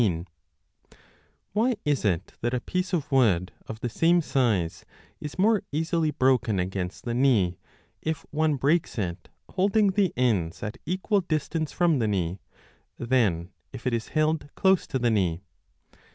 MECHANTCA WHY is it that a piece of wood * of the same size is more 14 easily broken against the knee, if one breaks it holding the ends at equal distance from the knee, than if it is held close to the knee